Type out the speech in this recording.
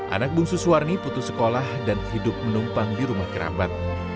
anak bungsu suwarni putus sekolah dan hidup menumpang di rumah kerabat